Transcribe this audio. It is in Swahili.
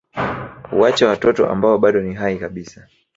Huacha watoto ambao bado ni hai kabisa